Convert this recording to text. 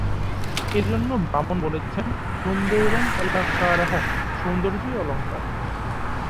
এজন্য বামন বলেছেন: সৌন্দর্যম্ অলঙ্কারঃ সৌন্দর্যই অলঙ্কার।